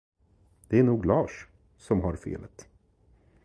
Det är nog Lars, som har felet.